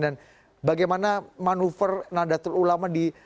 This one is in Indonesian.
bagaimana manuver nadatul ulama di